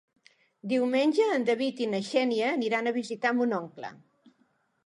Diumenge en David i na Xènia aniran a visitar mon oncle.